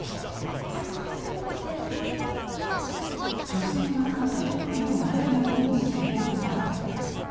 女性の描く絵の内容にも制約があった。